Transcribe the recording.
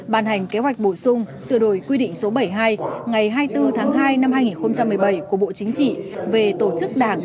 bàn hành kế hoạch bổ sung sửa đổi quy định số bảy mươi hai ngày hai mươi bốn tháng hai năm hai nghìn một mươi bảy của bộ chính trị về tổ chức đảng